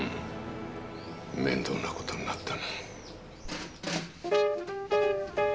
面倒なことになったな。